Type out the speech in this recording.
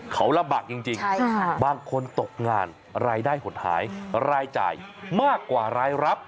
เขาลำบากจริงบางคนตกงานรายได้หดหายรายจ่ายมากกว่ารายรับ